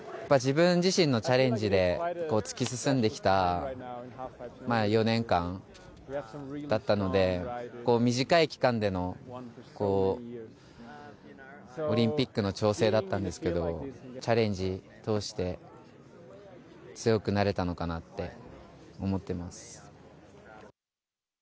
自分自身のチャレンジで、突き進んできた４年間だったので、短い期間でのオリンピックの調整だったんですけど、チャレンジを通して、強くなれたのかなって思ってます。